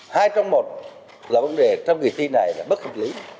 hai trong một là vấn đề trong kỳ thi này là bất hợp lý